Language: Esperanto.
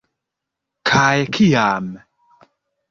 Kaj kiam.